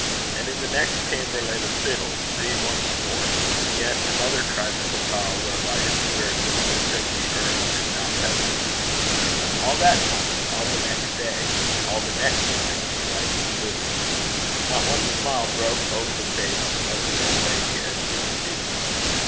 And in the next chamber lay the fiddle free once more, yet another magical power whereby his spirit could forsake the earth and mount heavenwards. All that night, all the next day, all the next night, the dragon flew. Not one smile broke over the face of the old lady as she received them.